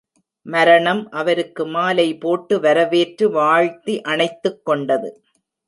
மரணம் அவருக்கு மாலை போட்டு வரவேற்று வாழ்த்தி அணைத்துக் கொண்டது.